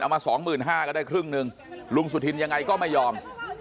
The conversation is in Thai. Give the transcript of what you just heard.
เอามาสองหมื่นห้าก็ได้ครึ่งนึงลุงสุธินยังไงก็ไม่ยอม